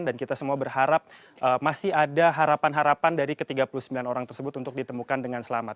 dan kita semua berharap masih ada harapan harapan dari ke tiga puluh sembilan orang tersebut untuk ditemukan dengan selamat